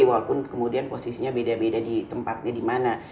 walaupun kemudian posisinya beda beda di tempatnya di mana